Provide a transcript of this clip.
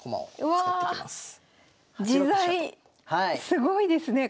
すごいですね。